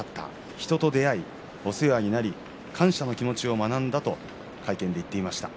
人と出会い、お世話になり感謝の気持ちを学んだと会見で言っていました。